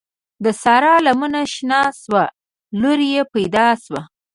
د سارا لمنه شنه شوه؛ لور يې پیدا شوه.